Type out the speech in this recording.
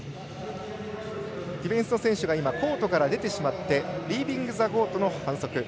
ディフェンスの選手がコートから出てしまってリービングザコートの反則。